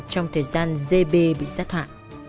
trong thời gian gb bị sát hạ